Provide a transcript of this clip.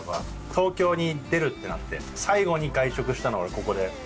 東京に出るってなって最後に外食したのが俺ここで。